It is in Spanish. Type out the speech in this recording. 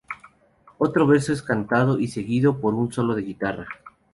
Otro verso es cantado, y seguido por un solo de guitarra.